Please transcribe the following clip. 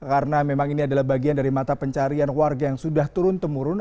karena memang ini adalah bagian dari mata pencarian warga yang sudah turun temurun